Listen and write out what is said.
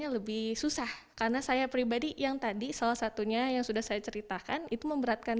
lebih susah karena saya pribadi yang tadi salah satunya yang sudah saya ceritakan itu memberatkan